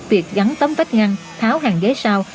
việc gắn tấm vách ngăn tháo hàng ghế sau